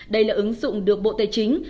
đây là ứng dụng được bộ tài chính